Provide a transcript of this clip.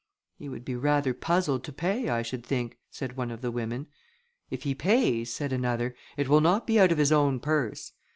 "He would be rather puzzled to pay, I should think," said one of the women. "If he pays," added another, "it will not be out of his own purse."